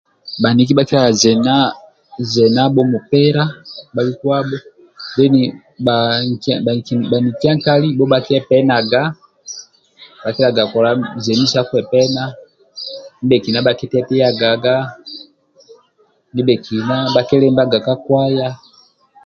Bhaniki bhakikilaga zena zenabho mupila bhalukuabho deni bhanikiekali bhakiepenaga bhakikilaga kola zeni sa kwepena ndibhekina bhakitetiagaga ndbhekina bhakilimbaga ka kwaya